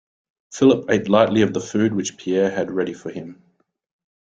Philip ate lightly of the food which Pierre had ready for him.